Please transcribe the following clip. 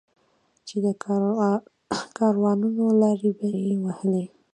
چې د کاروانونو لارې به یې وهلې.